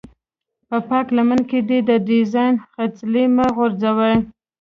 په پاکه لمن کې دې د ډېران خځلې مه غورځوه.